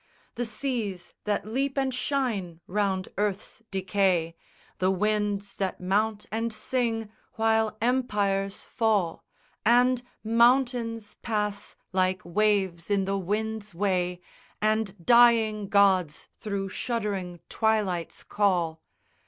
The seas that leap and shine round earth's decay, The winds that mount and sing while empires fall, And mountains pass like waves in the wind's way, And dying gods thro' shuddering twilights call.